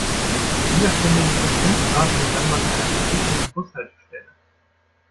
Lieber stünde ich bei fünf Grad im November an einer verregneten Bushaltestelle.